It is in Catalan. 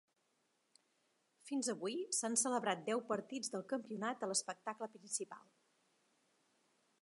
Fins avui, s'han celebrat deu partits del campionat a l'espectacle principal.